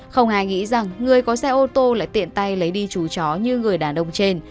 không ai nghĩ rằng người có xe ô tô lại tiện tay lấy đi chú chó như người đàn ông trên